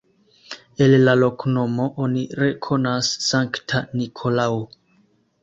El la loknomo oni rekonas Sankta Nikolao.